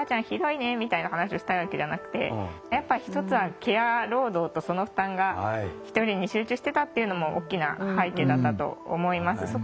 ひどいねみたいな話をしたいわけではなくてやっぱ一つはケア労働とその負担が１人に集中してたっていうのも大きな背景だったと思います。